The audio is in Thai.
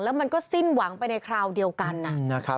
แล้วมันก็สิ้นหวังไปในคราวเดียวกันนะครับ